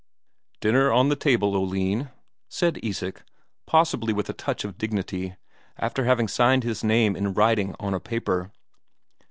"Dinner on the table, Oline," said Isak, possibly with a tough of dignity, after having signed his name in writing on a paper.